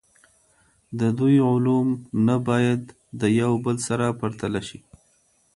د دوی علوم نه باید د یو بل سره پرتله سي.